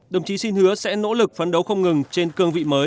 đồng chí xin hứa sẽ nỗ lực phấn đấu không ngừng trên cương vị mới